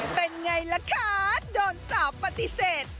เป็นไงล่ะคะโดนสาวปฏิเสธ